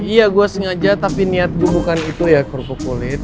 iya gua sengaja tapi niat gua bukan itu ya kurkuk kulit